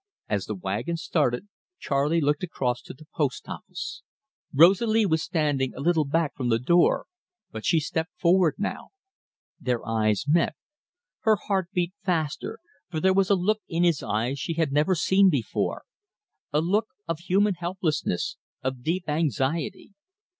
As the wagon started, Charley looked across to the post office. Rosalie was standing a little back from the door, but she stepped forward now. Their eyes met. Her heart beat faster, for there was a look in his eyes she had never seen before a look of human helplessness, of deep anxiety.